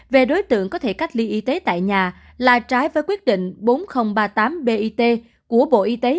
về đối tượng có thể cách ly y tế tại nhà là trái với quyết định bốn nghìn ba mươi tám bit của bộ y tế